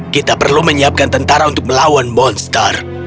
kita perlu menyiapkan tentara untuk melawan monster